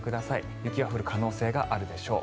雪が降る可能性があるでしょう。